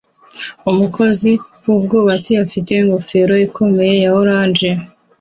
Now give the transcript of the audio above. Umukozi wubwubatsi afite ingofero ikomeye ya orange